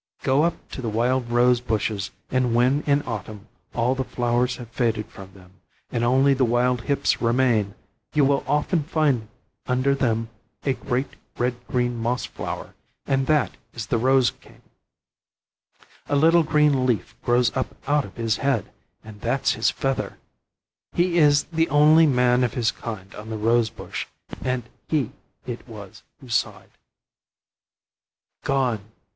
Go up to the wild rose bushes, and when in autumn all the flowers have faded from them, and only the wild hips remain, you will often find under them a great red green moss flower; and that is the rose king. A little green leaf grows up out of his head, and that's his feather. He is the only man of his kind on the rose bush; and he it was who sighed. [Illustration: THE PIGS AT HOME IN THE OLD STATE COACH.] "Gone!